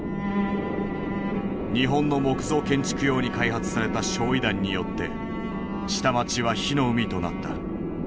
日本の木造建築用に開発された焼夷弾によって下町は火の海となった。